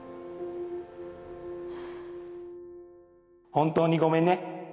「本当にごめんね」